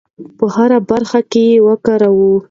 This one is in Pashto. په هره برخه کې یې وکاروو.